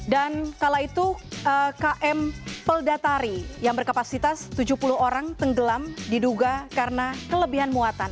dan kala itu km peldatari yang berkapasitas tujuh puluh orang tenggelam diduga karena kelebihan muatan